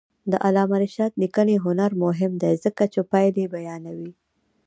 د علامه رشاد لیکنی هنر مهم دی ځکه چې پایلې بیانوي.